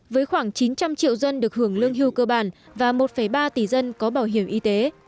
với khoảng chín trăm linh triệu dân được hưởng lương hưu cơ bản và một ba tỷ dân có bảo hiểm y tế